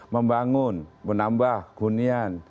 membangun menambah gunian